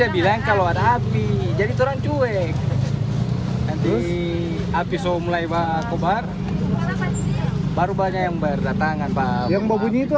berapa jam lalu itu